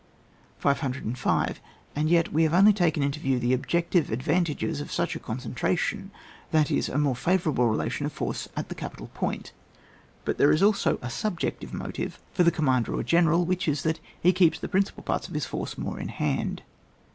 505. As yet, we have only taken into view the objective advantages of such a concentration, that is, a more favourable relation of force at the capital point; but there is also a subjective motive for the commander or general, which is, that he keeps the principal parts of his force more in hand.